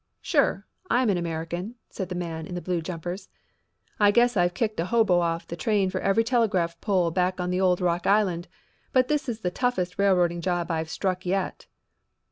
"Sure, I'm an American," said the man in the blue jumpers. "I guess I've kicked a hobo off the train for every telegraph pole back on the old Rock Island, but this is the toughest railroading job I've struck yet."